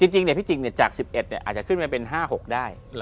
จริงพี่จิกจาก๑๑อาจจะขึ้นมาเป็น๕๖ได้